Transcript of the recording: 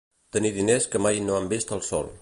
Tenir diners que mai no han vist el sol.